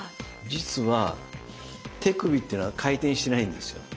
実は手首っていうのは回転しないんですよ。